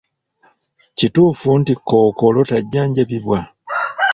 Kituufu nti kkookolo tajjanjabibwa?